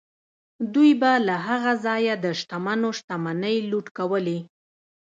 دوی به له هغه ځایه د شتمنو شتمنۍ لوټ کولې.